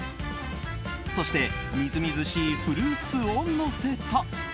そして、みずみずしいフルーツをのせた。